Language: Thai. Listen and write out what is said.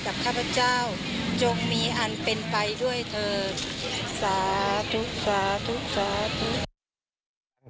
ข้าพเจ้าจงมีอันเป็นไปด้วยเธอสาธุสาธุสาธุ